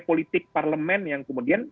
politik parlemen yang kemudian